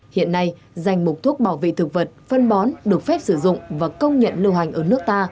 hiện nay dành một thuốc bảo vị thực vật phân bón được phép sử dụng và công nhận lưu hành ở nước ta